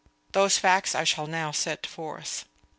Those facts I shall now set forth.